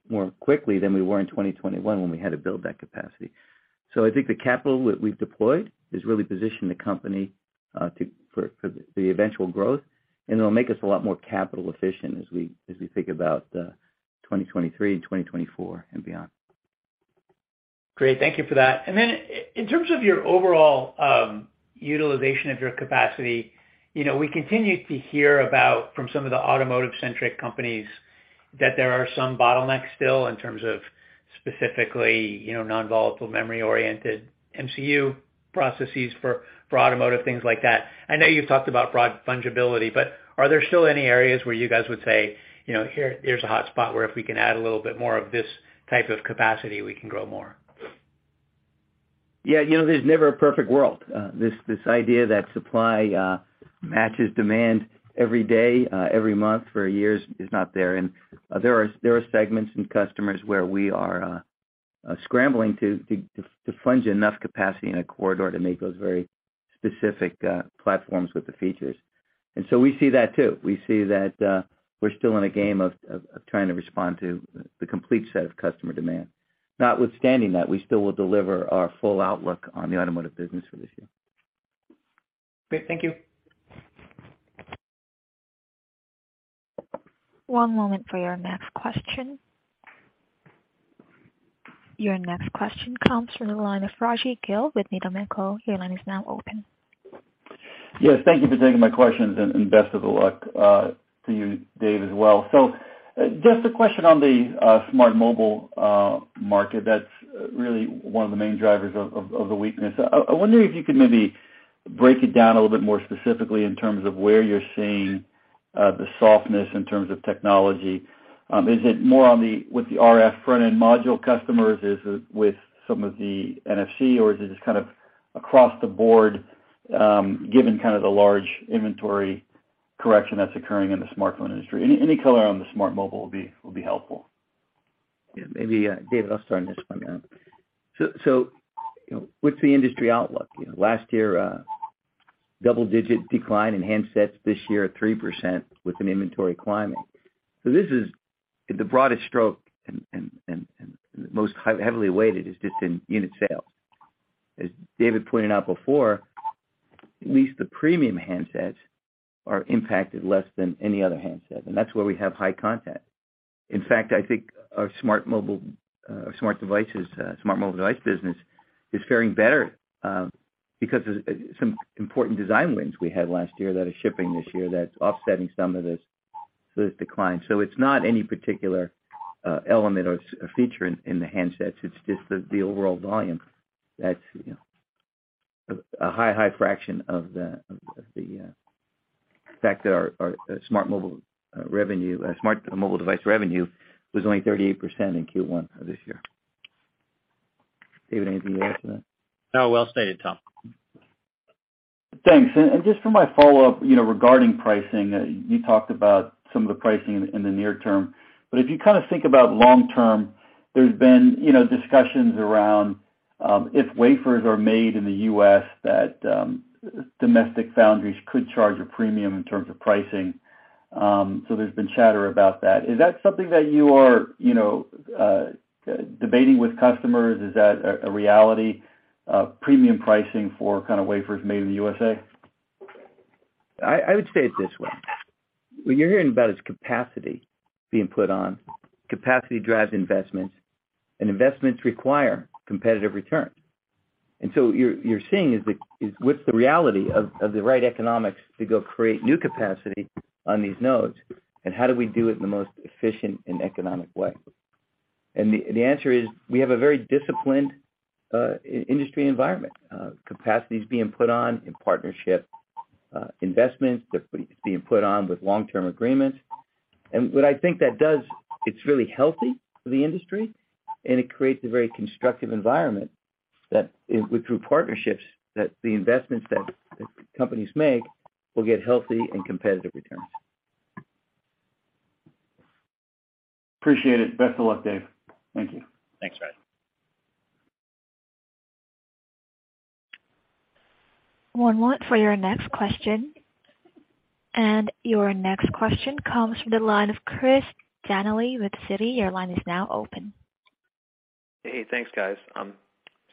more quickly than we were in 2021 when we had to build that capacity. I think the capital that we've deployed has really positioned the company for the eventual growth, and it'll make us a lot more capital efficient as we think about 2023 and 2024 and beyond. Great. Thank you for that. In terms of your overall utilization of your capacity, you know, we continue to hear about, from some of the automotive-centric companies that there are some bottlenecks still in terms of specifically, you know, non-volatile memory-oriented MCU processes for automotive, things like that. I know you've talked about broad fungibility. Are there still any areas where you guys would say, "You know, here's a hotspot where if we can add a little bit more of this type of capacity, we can grow more? Yeah, you know, there's never a perfect world. This idea that supply matches demand every day, every month, for years is not there. There are segments and customers where we are scrambling to fund enough capacity in a corridor to make those very specific platforms with the features. We see that too. We see that we're still in a game of trying to respond to the complete set of customer demand. Notwithstanding that, we still will deliver our full outlook on the automotive business for this year. Great. Thank you. One moment for your next question. Your next question comes from the line of Rajvindra Gill with Needham & Co. Your line is now open. Yes, thank you for taking my questions, and best of the luck to you, Dave, as well. Just a question on the smart mobile market that's really one of the main drivers of the weakness. I wonder if you could maybe break it down a little bit more specifically in terms of where you're seeing the softness in terms of technology. Is it more with the RF front-end module customers? Is it with some of the NFC, or is it just kind of across the board, given kind of the large inventory correction that's occurring in the smartphone industry? Any color on the smart mobile will be helpful. Maybe, Dave, I'll start on this one. So, you know, with the industry outlook, you know, last year, double-digit decline in handsets. This year, 3% with an inventory climbing. This is the broadest stroke and most heavily weighted is just in unit sales. As David pointed out before-At least the premium handsets are impacted less than any other handset, and that's where we have high content. In fact, I think our smart mobile, smart devices, smart mobile device business is faring better, because of some important design wins we had last year that are shipping this year that's offsetting some of this decline. It's not any particular element or feature in the handsets. It's just the overall volume that's, you know, a high fraction of the, of the fact that our smart mobile device revenue was only 38% in Q1 of this year. David, anything to add to that? No. Well stated, Tom. Thanks. Just for my follow-up, you know, regarding pricing, you talked about some of the pricing in the near term. If you kind of think about long term, there's been, you know, discussions around, if wafers are made in the U.S. that, domestic foundries could charge a premium in terms of pricing. There's been chatter about that. Is that something that you are, you know, debating with customers? Is that a reality, premium pricing for kind of wafers made in the U.S.A.? I would say it this way. What you're hearing about is capacity being put on. Capacity drives investments, and investments require competitive returns. You're seeing is the reality of the right economics to go create new capacity on these nodes, and how do we do it in the most efficient and economic way? The answer is, we have a very disciplined in-industry environment. Capacity is being put on in partnership, investments that's being put on with long-term agreements. What I think that does, it's really healthy for the industry, and it creates a very constructive environment that through partnerships, that the investments that companies make will get healthy and competitive returns. Appreciate it. Best of luck, David. Thank you. Thanks, Brad. One moment for your next question. Your next question comes from the line of Chris Danely with Citi. Your line is now open. Hey. Thanks, guys.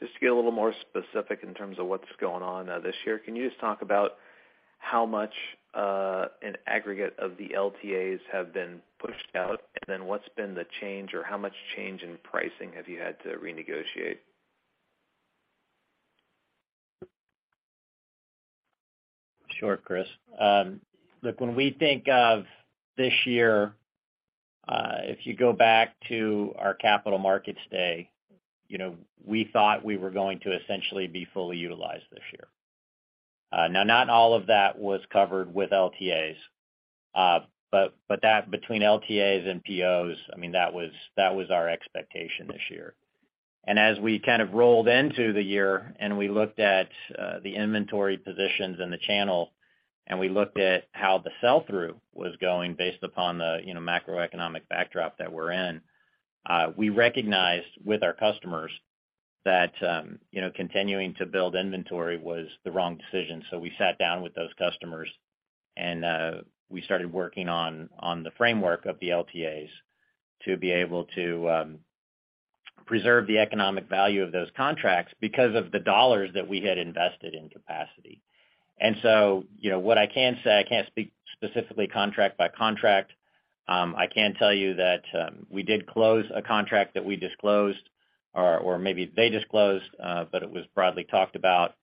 Just to get a little more specific in terms of what's going on this year, can you just talk about how much an aggregate of the LTAs have been pushed out, and then what's been the change or how much change in pricing have you had to renegotiate? Sure, Chris. Look, when we think of this year, if you go back to our capital markets day, you know, we thought we were going to essentially be fully utilized this year. Now, not all of that was covered with LTAs. But that between LTAs and POs, I mean, that was our expectation this year. As we kind of rolled into the year and we looked at the inventory positions in the channel, and we looked at how the sell-through was going based upon the, you know, macroeconomic backdrop that we're in, we recognized with our customers that, you know, continuing to build inventory was the wrong decision. We sat down with those customers, we started working on the framework of the LTAs to be able to preserve the economic value of those contracts because of the dollars that we had invested in capacity. You know, what I can say, I can't speak specifically contract by contract. I can tell you that we did close a contract that we disclosed or maybe they disclosed, but it was broadly talked about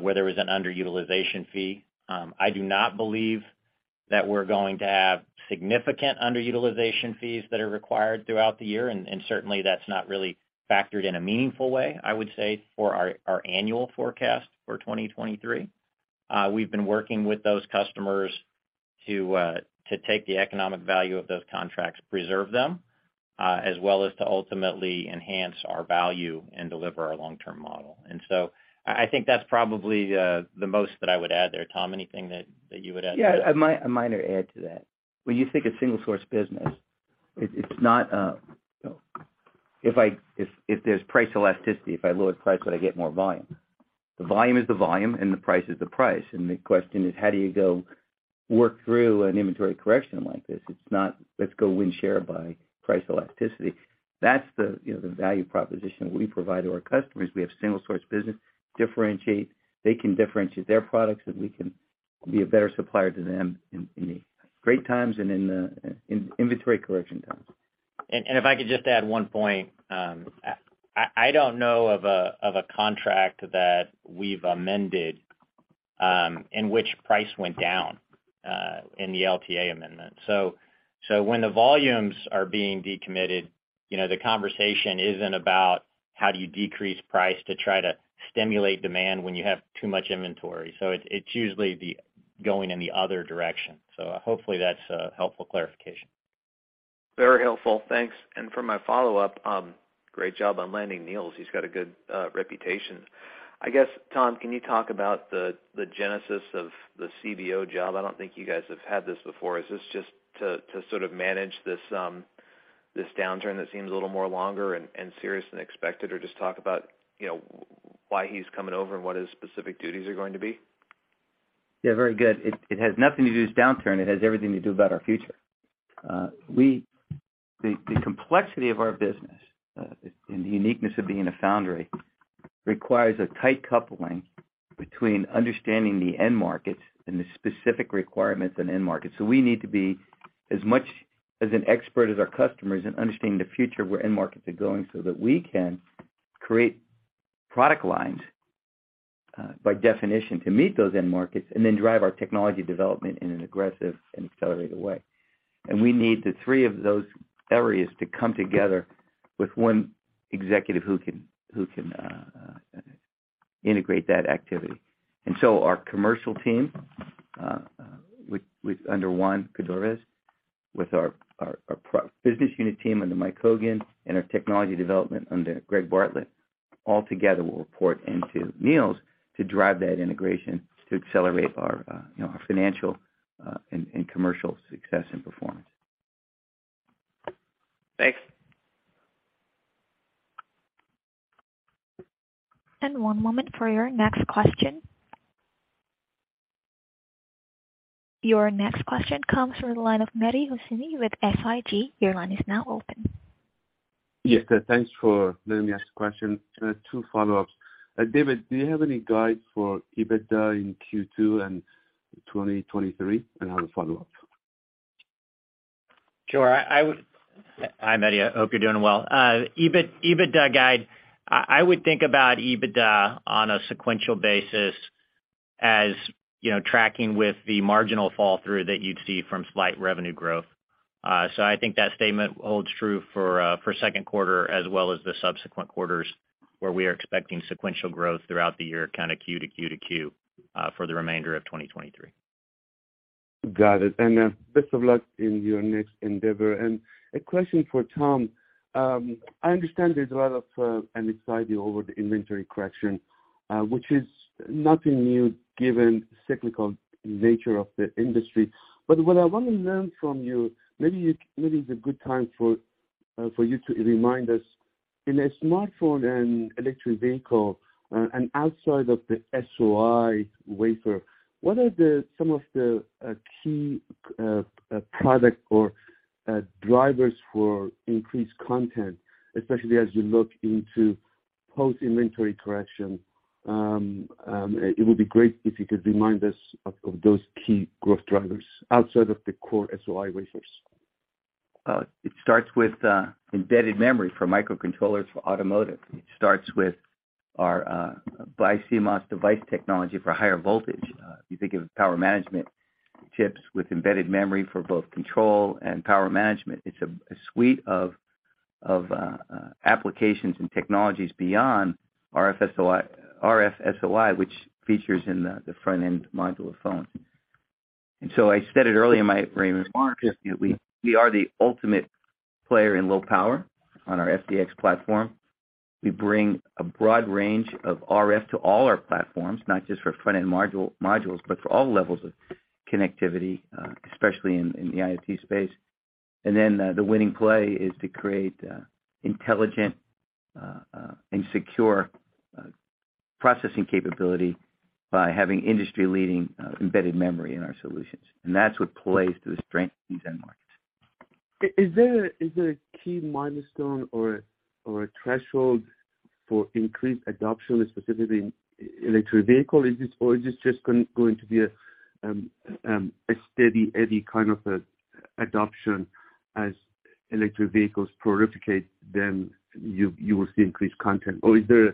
where there was an underutilization fee. I do not believe that we're going to have significant underutilization fees that are required throughout the year, and certainly that's not really factored in a meaningful way, I would say, for our annual forecast for 2023. We've been working with those customers to take the economic value of those contracts, preserve them, as well as to ultimately enhance our value and deliver our long-term model. I think that's probably, the most that I would add there. Tom, anything that you would add to that? Yeah. A minor add to that. When you think of single-source business, it's not if there's price elasticity, if I lower price, would I get more volume? The volume is the volume, and the price is the price, and the question is, how do you go work through an inventory correction like this? It's not let's go win share by price elasticity. That's the, you know, the value proposition that we provide to our customers. We have single source business differentiate. They can differentiate their products, and we can be a better supplier to them in the great times and in the inventory correction times. If I could just add one point, I don't know of a, of a contract that we've amended, in which price went down, in the LTA amendment. When the volumes are being decommitted, you know, the conversation isn't about how do you decrease price to try to stimulate demand when you have too much inventory. It's usually the going in the other direction. Hopefully that's a helpful clarification. Very helpful. Thanks. For my follow-up, great job on landing Niels. He's got a good reputation. I guess, Tom, can you talk about the genesis of the CBO job? I don't think you guys have had this before. Is this just to sort of manage this downturn that seems a little more longer and serious than expected? Just talk about, you know, why he's coming over and what his specific duties are going to be? Yeah, very good. It has nothing to do with this downturn. It has everything to do about our future. The complexity of our business, and the uniqueness of being a foundry requires a tight coupling between understanding the end markets and the specific requirements in end markets. We need to be as much as an expert as our customers in understanding the future where end markets are going so that we can create product lines, by definition to meet those end markets and then drive our technology development in an aggressive and accelerated way. We need the three of those areas to come together with one executive who can integrate that activity. Our commercial team, under Juan Cordovez, with our pro- business unit team under Mike Hogan and our technology development under Gregg Bartlett, all together will report into Niels to drive that integration to accelerate our, you know, our financial, and commercial success and performance. Thanks. One moment for your next question. Your next question comes from the line of Mehdi Hosseini with SIG. Your line is now open. Yes. Thanks for letting me ask the question. Two follow-ups. David, do you have any guide for EBITDA in Q2 and 2023? I have a follow-up. Sure. Hi, Mehdi, I hope you're doing well. EBIT, EBITDA guide. I would think about EBITDA on a sequential basis as, you know, tracking with the marginal fall through that you'd see from slight revenue growth. I think that statement holds true for second quarter as well as the subsequent quarters where we are expecting sequential growth throughout the year, kind of Q-to-Q-to-Q, for the remainder of 2023. Got it. Best of luck in your next endeavor. A question for Tom. I understand there's a lot of anxiety over the inventory correction, which is nothing new given cyclical nature of the industry. What I wanna learn from you, maybe it's a good time for you to remind us in a smartphone and electric vehicle and outside of the SOI wafer, what are the some of the key product or drivers for increased content, especially as you look into post-inventory correction? It would be great if you could remind us of those key growth drivers outside of the core SOI wafers. It starts with embedded memory for microcontrollers for automotive. It starts with our BiCMOS device technology for higher voltage. If you think of power management chips with embedded memory for both control and power management, it's a suite of applications and technologies beyond RFSOI, which features in the front-end module of phones. I said it earlier in my remarks, we are the ultimate player in low power on our FDX platform. We bring a broad range of RF to all our platforms, not just for front-end modules, but for all levels of connectivity, especially in the IoT space. The winning play is to create intelligent and secure processing capability by having industry-leading embedded memory in our solutions. That's what plays to the strength in these end markets. Is there a key milestone or a threshold for increased adoption, specifically in electric vehicle? Is this or is this just going to be a steady eddy kind of adoption as electric vehicles proliferate, then you will see increased content? Or is there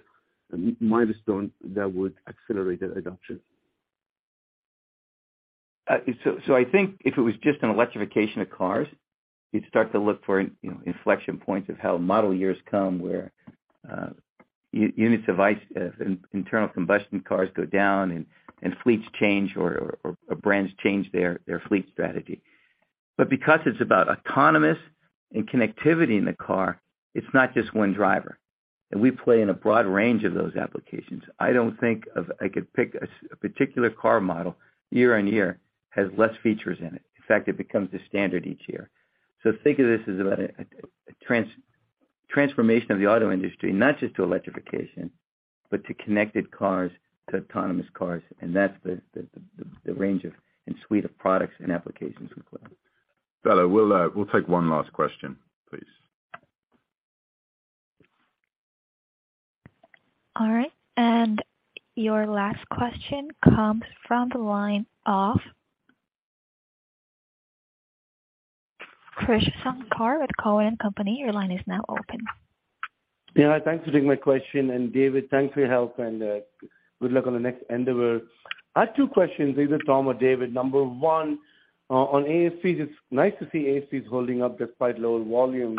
a milestone that would accelerate that adoption? I think if it was just an electrification of cars, you'd start to look for, you know, inflection points of how model years come where units of ice internal combustion cars go down and fleets change or brands change their fleet strategy. Because it's about autonomous and connectivity in the car, it's not just one driver. We play in a broad range of those applications. I don't think I could pick a particular car model year-on-year has less features in it. In fact, it becomes the standard each year. Think of this as about a transformation of the auto industry, not just to electrification, but to connected cars, to autonomous cars, and that's the range of and suite of products and applications we play. Bella, we'll take one last question, please. All right. Your last question comes from the line of Krish Sankar with Cowen and Company. Your line is now open. Yeah. Thanks for taking my question. David, thanks for your help and good luck on the next endeavor. I have two questions, either Tom or David. Number one, on ASPs, it's nice to see ASPs holding up despite lower volumes.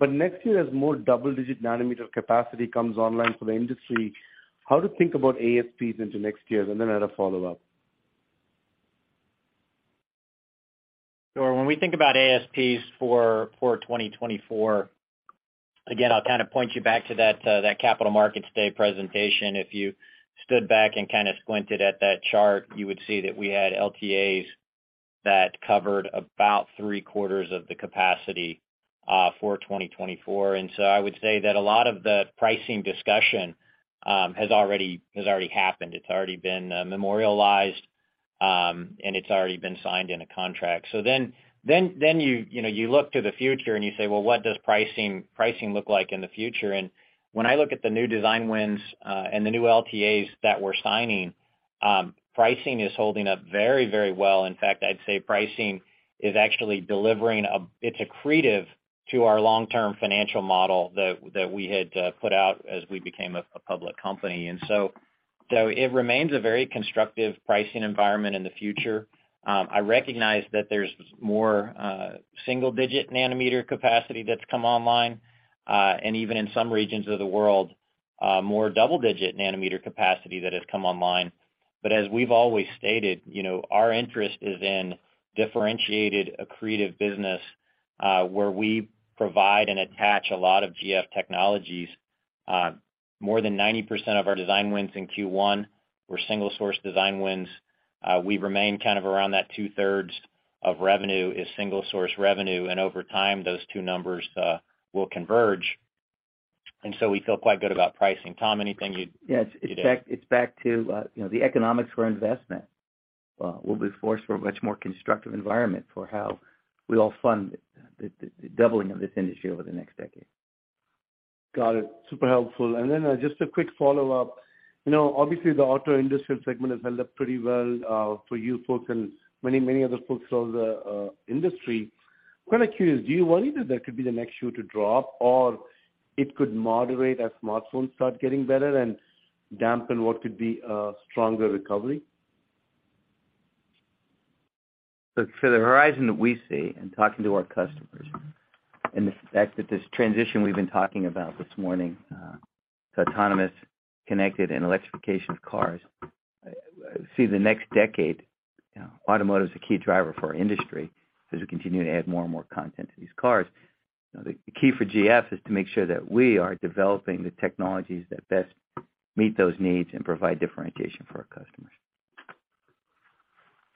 Next year as more double-digit nanometer capacity comes online for the industry, how to think about ASPs into next year? Then I had a follow-up. When we think about ASPs for 2024, again, I'll kind of point you back to that Capital Markets Day presentation. If you stood back and kind of squinted at that chart, you would see that we had LTAs that covered about three-quarters of the capacity for 2024. I would say that a lot of the pricing discussion has already happened. It's already been memorialized. It's already been signed in a contract. Then you know, you look to the future and you say, "Well, what does pricing look like in the future?" When I look at the new design wins and the new LTAs that we're signing, pricing is holding up very, very well. In fact, I'd say pricing is actually delivering a... It's accretive to our long-term financial model that we had put out as we became a public company. It remains a very constructive pricing environment in the future. I recognize that there's more single digit nanometer capacity that's come online. Even in some regions of the world, more double digit nanometer capacity that has come online. As we've always stated, you know, our interest is in differentiated accretive business, where we provide and attach a lot of GF technologies. More than 90% of our design wins in Q1 were single source design wins. We remain kind of around that 2/3 of revenue is single source revenue, and over time, those two numbers will converge. We feel quite good about pricing. Tom, anything you'd Yes. You'd add? It's back, it's back to, you know, the economics for investment. We'll be forced for a much more constructive environment for how we all fund the doubling of this industry over the next decade. Got it. Super helpful. Just a quick follow-up. You know, obviously the auto industrial segment has held up pretty well, for you folks and many, many other folks across the industry. Quite curious, do you worry that that could be the next shoe to drop or it could moderate as smartphones start getting better and dampen what could be a stronger recovery? For the horizon that we see in talking to our customers and the fact that this transition we've been talking about this morning, to autonomous, connected, and electrification of cars, see the next decade, you know, automotive's a key driver for our industry as we continue to add more and more content to these cars. You know, the key for GF is to make sure that we are developing the technologies that best meet those needs and provide differentiation for our customers.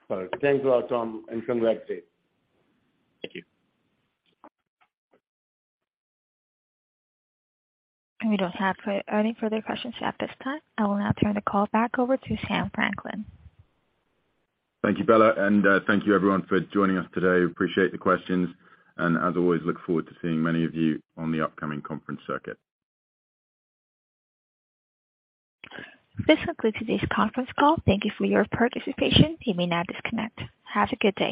All right. Thanks a lot, Tom, and congrats Dave. Thank you. We don't have any further questions at this time. I will now turn the call back over to Sam Franklin. Thank you, Bella, thank you everyone for joining us today. Appreciate the questions, as always, look forward to seeing many of you on the upcoming conference circuit. This concludes today's conference call. Thank you for your participation. You may now disconnect. Have a good day.